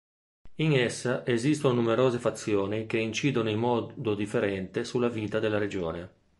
In essa esistono numerose fazioni, che incidono in modo differente sulla vita della regione.